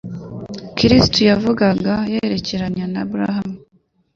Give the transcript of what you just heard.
Kristo yavugaga yerekeranye na Aburahamu.